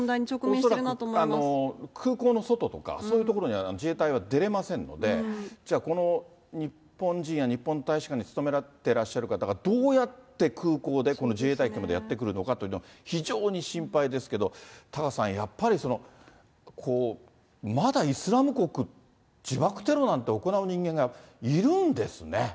恐らく空港の外とか、そういうところには自衛隊は出れませんので、じゃあ、この日本人や日本大使館に勤めてらっしゃる方がどうやって空港で、この自衛隊機までやって来るのかというの、非常に心配ですけど、タカさん、やっぱり、まだイスラム国、自爆テロなんて行う人間がいるんですね。